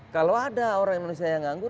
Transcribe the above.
kalau ada orang indonesia yang nganggur